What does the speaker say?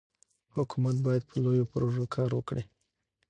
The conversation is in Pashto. حکومت باید په لویو پروژو کار وکړي.